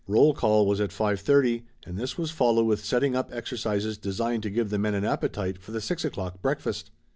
Roll call was at five thirty and this was followed with setting up exercises designed to give the men an appetite for the six o'clock breakfast.